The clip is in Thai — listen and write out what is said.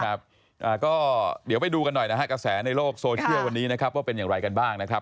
ครับอ่าก็เดี๋ยวไปดูกันหน่อยนะฮะกระแสในโลกโซเชียลวันนี้นะครับว่าเป็นอย่างไรกันบ้างนะครับ